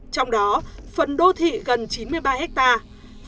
trong đó phần đô thị gần chín mươi ba hectare